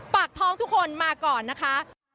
ปากท้องทุกคนมาก่อนนะคะ